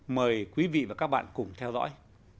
mời quý vị và các bạn cùng theo dõi